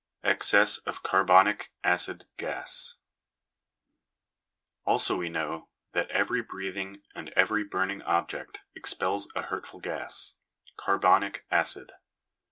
Excess of Carbonic Acid Gas. Also we know that every breathing and every burning object expels a hurtful gas carbonic acid.